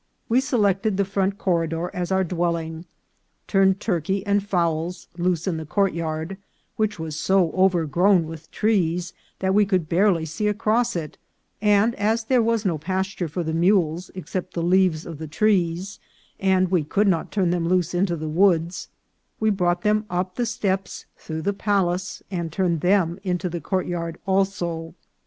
We selected the front corridor as our dwelling, turned turkey and fowls loose in the courtyard, which was so overgrown with trees that we could barely see across it ; and as there was no pasture for the mules except the leaves of the trees, and we could not turn them loose into the woods, we brought them up the steps through the palace, and turned them into the courtyard also.